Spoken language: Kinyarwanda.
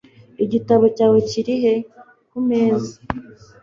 "Igitabo cyawe kiri he?" "Ku meza."